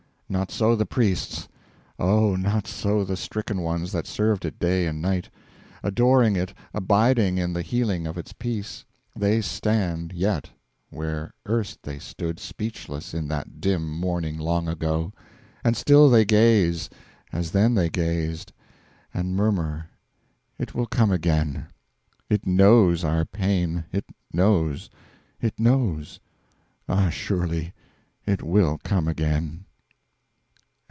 Not so the priests! Oh, not so The stricken ones that served it day and night, Adoring it, abiding in the healing of its peace: They stand, yet, where erst they stood Speechless in that dim morning long ago; And still they gaze, as then they gazed, And murmur, 'It will come again; It knows our pain it knows it knows Ah surely it will come again.